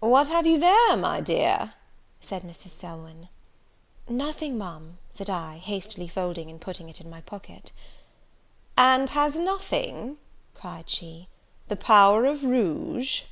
"What have you there, my dear?" said Mrs. Selwyn. "Nothing, Ma'am," said I, hastily folding, and putting it in my pocket. "And has nothing," cried she, "the power of rouge?"